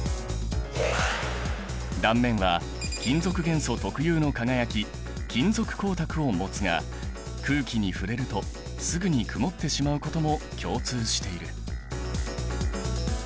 断面は金属元素特有の輝き金属光沢を持つが空気に触れるとすぐにくもってしまうことも共通している。